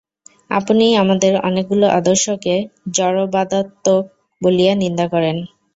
আপনিই আমাদের অনেকগুলি আদর্শকে জড়বাদাত্মক বলিয়া নিন্দা করেন।